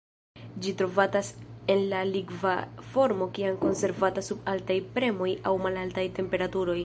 Ĝi trovatas en la likva formo kiam konservata sub altaj premoj aŭ malaltaj temperaturoj.